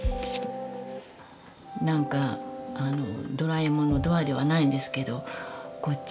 何かドラえもんのドアではないんですけどこっち